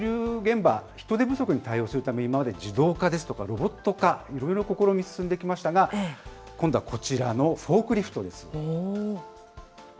建設現場や物流現場、人手不足に対応するため、今まで自動化ですとか、ロボット化、色々試み進んできましたが、今度はこちらのフォークリフトです。